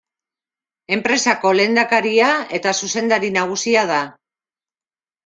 Enpresako lehendakaria eta zuzendari nagusia da.